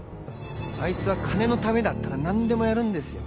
あいつは金のためだったら何でもやるんですよ